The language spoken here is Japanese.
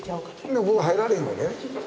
でここ入られへんわけね？